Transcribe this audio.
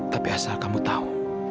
tapi asal kamu tahu